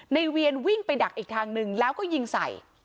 เวียนวิ่งไปดักอีกทางหนึ่งแล้วก็ยิงใส่